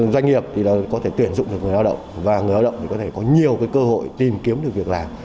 doanh nghiệp thì có thể tuyển dụng được người lao động và người lao động để có thể có nhiều cơ hội tìm kiếm được việc làm